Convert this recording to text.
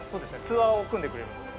ツアーを組んでくれるので。